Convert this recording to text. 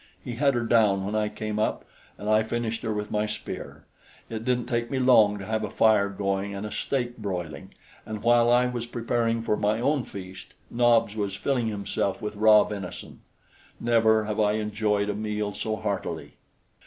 He had her down when I came up, and I finished her with my spear. It didn't take me long to have a fire going and a steak broiling, and while I was preparing for my own feast, Nobs was filling himself with raw venison. Never have I enjoyed a meal so heartily.